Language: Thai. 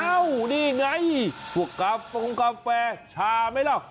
เอ้านี่ไงถั่วกาแฟชาไหมล่ะ